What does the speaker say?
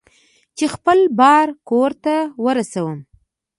چې خپل بار کور ته ورسوم.